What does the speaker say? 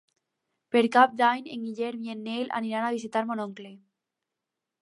Per Cap d'Any en Guillem i en Nel aniran a visitar mon oncle.